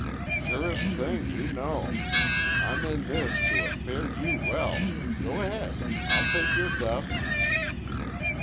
"Surest thing you know. I'm in this to a fare you well. Go ahead. I'll take yore dust."